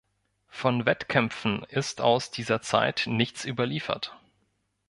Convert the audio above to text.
Von Wettkämpfen ist aus dieser Zeit nichts überliefert.